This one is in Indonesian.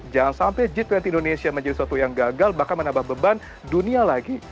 jangan sampai g dua puluh indonesia menjadi suatu yang gagal bahkan menambah beban dunia lagi